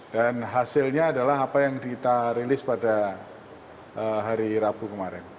dan hasilnya adalah apa yang kita rilis pada hari rabu kemarin